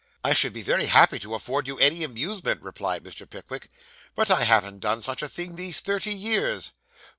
'I should be very happy to afford you any amusement,' replied Mr. Pickwick, 'but I haven't done such a thing these thirty years.